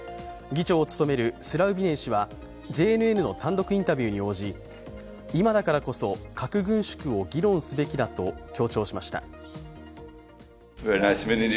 議長を務めるスラウビネン氏はＪＮＮの単独インタビューに応じ、今だからこそ核軍縮を議論すべきだと強調しました。